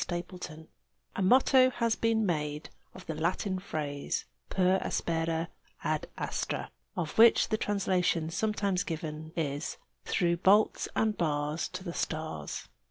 PER ASPERA A motto has been made of the Latin phrase "per aspera ad astra," of which the translation sometimes given is "through bolts and bars to the stars."